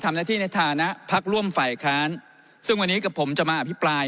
ในฐานะที่ในฐานะพักร่วมฝ่ายค้านซึ่งวันนี้กับผมจะมาอภิปราย